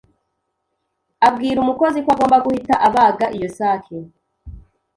abwira umukozi ko agomba guhita abaga iyo sake.